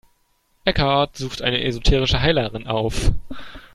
Eckhart suchte eine esoterische Heilerin auf.